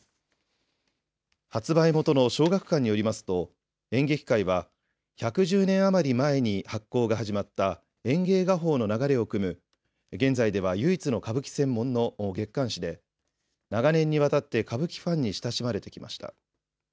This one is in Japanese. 発売元の小学館によりますと、演劇界は、１１０年余り前に発行が始まった演藝画報の流れをくむ現在では唯一の歌舞伎専門の月刊誌で、長年にわたって歌舞伎ファンに親しまれてきました。